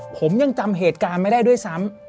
ผมยังจำเหตุการณ์ไม่ได้ด้วยซ้ำ